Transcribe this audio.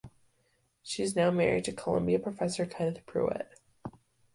She is now married to Columbia professor Kenneth Prewitt.